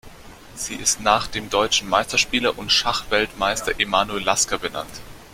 Sie ist nach dem deutschen Meisterspieler und Schachweltmeister Emanuel Lasker benannt.